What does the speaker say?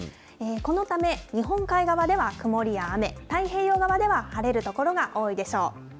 このため日本海側では曇りや雨、太平洋側では晴れる所が多いでしょう。